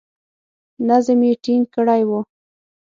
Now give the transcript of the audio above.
نظم یې ټینګ کړی وو.